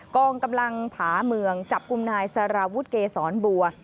กองกำลังผาเมืองจับกลุ่มนายสารวุฒิเกษรบัว